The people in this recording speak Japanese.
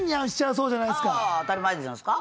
当たり前じゃないですか。